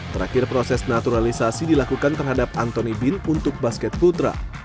terakhir proses naturalisasi dilakukan terhadap anthony bin untuk basket putra